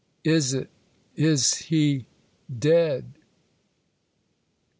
—is it?—is he—dead?